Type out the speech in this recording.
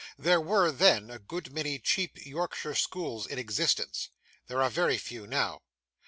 There were, then, a good many cheap Yorkshire schools in existence. There are very few now.